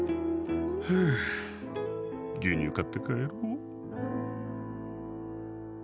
牛乳買って帰ろう。